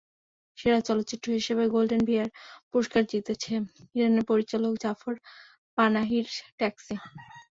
সেরা চলচ্চিত্র হিসেবে গোল্ডেন বিয়ার পুরস্কার জিতেছে ইরানের পরিচালক জাফর পানাহির ট্যাক্সি।